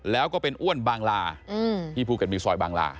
แล้วก็เป็นอ้วนบางลาที่ภูเก็ตมีซอยบางลา